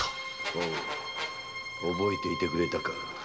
ほう覚えていてくれたか。